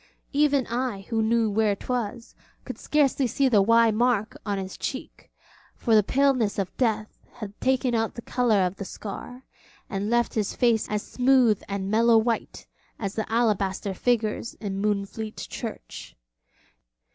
Even I, who knew where 'twas, could scarcely see the 'Y' mark on his cheek, for the paleness of death had taken out the colour of the scar, and left his face as smooth and mellow white as the alabaster figures in Moonfleet church.